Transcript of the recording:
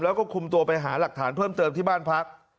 แล้วก็คุมตัวไปหาหลักฐานเพิ่มเติมที่บ้านพัก